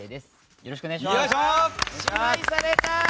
よろしくお願いします。